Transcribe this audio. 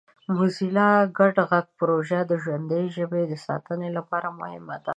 موزیلا ګډ غږ پروژه د ژوندۍ ژبې د ساتنې لپاره مهمه ده.